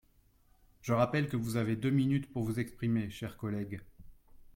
Je rappelle que vous avez deux minutes pour vous exprimer, cher collègue.